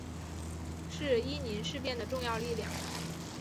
是伊宁事变的重要力量。